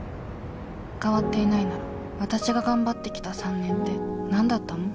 変わっていないならわたしが頑張ってきた３年って何だったの？